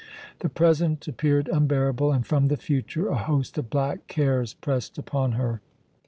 The present appeared unbearable, and from the future a host of black cares pressed upon her.